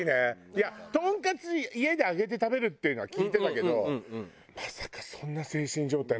いやトンカツ家で揚げて食べるっていうのは聞いてたけどまさかそんな精神状態の時に。